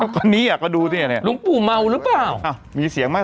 ก็นี่อ่ะก็ดูที่เนี้ยเนี้ยลุงปู่เมาหรือเปล่าอ้าวมีเสียงไหม